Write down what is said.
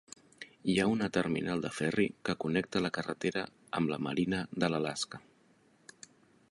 Hi ha una terminal de ferri que connecta la carretera amb la Marina de l'Alaska.